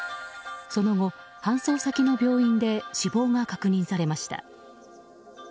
その後、搬送先の病院で死亡が確認されました。